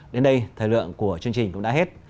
đến đây thời lượng của chương trình cũng đã hết